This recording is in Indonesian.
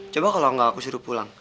coba kalau nggak aku suruh pulang